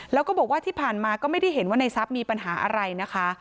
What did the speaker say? แล้วก็บอกว่าที่ผ่านมาก็ไม่ได้เห็นว่าในทรัพย์มีปัญหาอะไรนะคะ